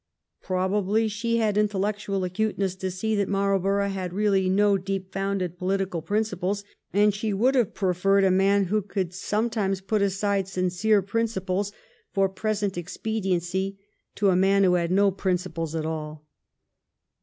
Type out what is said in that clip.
Probably she had intellectual acuteness enough to see that Marl borough had really no deep founded political prin ciples, and she would have preferred a man who could sometimes put aside sincere principles for 1712 13 THE QUEEN AND MARLBOROUGH. 75 present expediency to a man who had no principles at all.